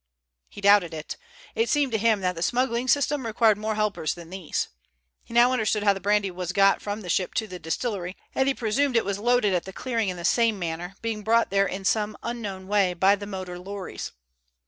He doubted it. It seemed to him that the smuggling system required more helpers than these. He now understood how the brandy was got from the ship to the distillery, and he presumed it was loaded at the clearing in the same manner, being brought there in some unknown way by the motor lorries.